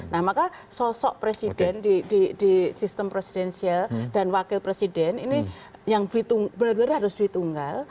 nah maka sosok presiden di sistem presidensial dan wakil presiden ini yang benar benar harus ditunggal